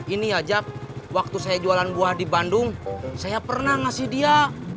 ini ajak waktu saya jualan buah di bandung saya pernah ngasih dia